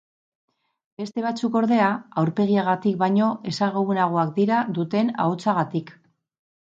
Beste batzuk, ordea, aurpegiagatik baino ezagunagoak dira duten ahotsagatik.